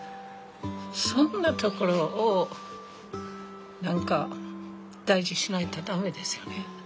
そんなところを何か大事しないと駄目ですよね。